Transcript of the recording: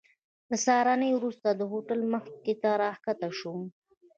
د سهارنۍ وروسته د هوټل مخې ته راښکته شوم.